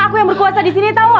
aku yang berkuasa disini